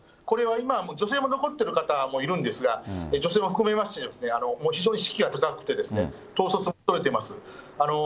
これは今、女性も残ってる方もいるんですが、女性も含めまして、もう非常に士気は高くて、統率も取れてます。